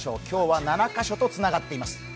今日は７カ所とつながっています。